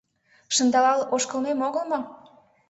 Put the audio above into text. Шындалал ошкылмем огыл мо?